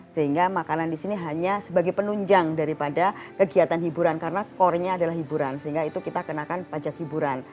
sehingga makanan di sini hanya sebagai penunjang daripada kegiatan hiburan karena core nya adalah hiburan sehingga itu kita kenakan pajak hiburan